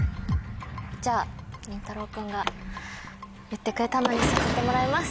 りんたろう君が言ってくれたのにさせてもらいます。